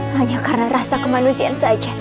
hanya karena rasa kemanusiaan saja